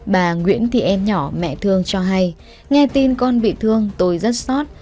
bà nguyễn thị em nhỏ mẹ thương cho hay nghe tin con bị thương tôi rất xót